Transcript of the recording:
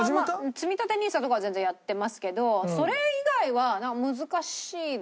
つみたてＮＩＳＡとかは全然やってますけどそれ以外は難しいです。